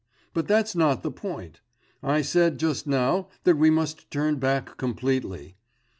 But that's not the point. I said just now that we must turn back completely.